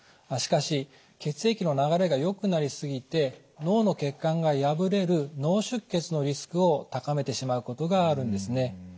しかし血液の流れがよくなり過ぎて脳の血管が破れる脳出血のリスクを高めてしまうことがあるんですね。